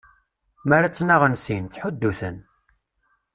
Mi ara ttnaɣen sin, ttḥuddu-ten!